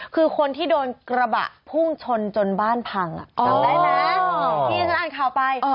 คือคนที่โดนกระบะพุ่งชนจนบ้านพังจำได้ไหมที่ฉันอ่านข่าวไป